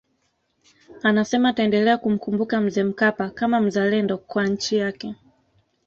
Anasema ataendelea kumkumbuka Mzee Mkapa kama mzalendo kwa nchi yake